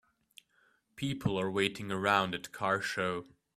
People are waiting around at car show.